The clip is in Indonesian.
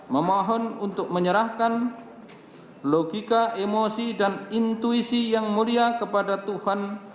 memohon untuk menyerahkan logika emosi dan intuisi yang mulia kepada tuhan